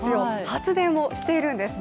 発電をしているんです。